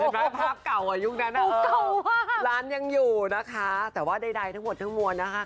เห็นไหมภาพเก่าอายุนั้นร้านยังอยู่นะคะแต่ว่าใดทั้งหมวดมัวนะคะ